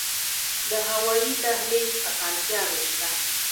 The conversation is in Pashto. د هوایی دهلیز اسانتیاوې شته؟